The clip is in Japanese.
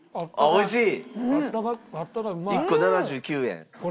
おいしい！